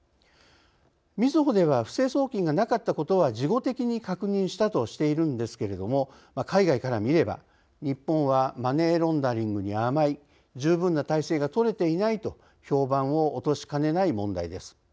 みずほでは不正送金がなかったことは事後的に確認したとしているんですけれども海外から見れば日本はマネーロンダリングに甘い十分な体制がとれていないと評判を落としかねない問題です。